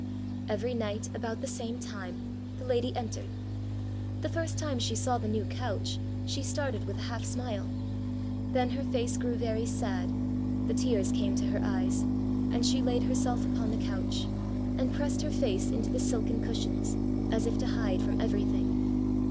Every night, about the same time, the lady entered. The first time she saw the new couch, she started with a half smile; then her face grew very sad, the tears came to her eyes, and she laid herself upon the couch, and pressed her face into the silken cushions, as if to hide from everything.